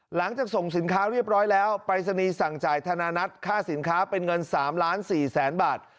หลังจากส่งสินค้าเรียบร้อยแล้วปรายศนีย์สั่งจ่ายธนานัทค่าสินค้าเป็นเงิน๓ล้าน๔แสนบาท